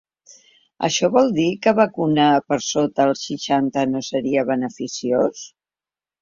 Això vol dir que vacunar per sota els seixanta no seria beneficiós?